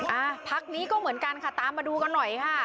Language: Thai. พักนี้ก็เหมือนกันค่ะตามมาดูกันหน่อยค่ะ